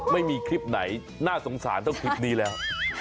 ไม่มีคลิปไหนน่าสงสารต้องคลิปนี้แล้ว